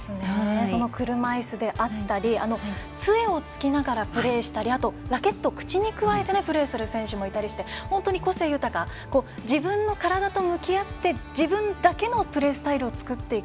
車いすであったりつえをつきながらプレーをしたりラケットを口にくわえてプレーする選手もいたりして個性豊かで、自分の体と向き合い自分だけのプレースタイルを作っていく。